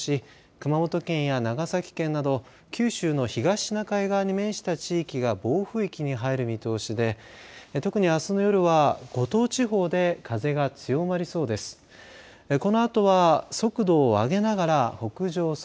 熊本県や長崎県など九州の東シナ海側に面した地域が暴風域に入る見通しで特にあすの夜は五島地方で風が強まりそうです。